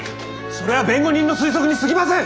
それは弁護人の推測にすぎません！